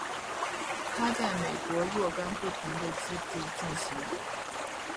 它在美国若干不同的基地进行。